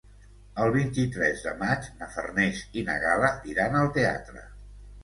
El vint-i-tres de maig na Farners i na Gal·la iran al teatre.